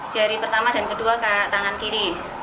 jari pertama dan kedua tangan kiri